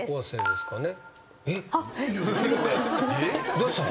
どうしたん？